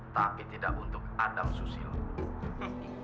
tapi tidak untuk adam susilo